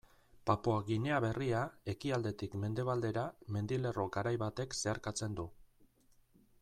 Papua Ginea Berria ekialdetik mendebaldera mendilerro garai batek zeharkatzen du.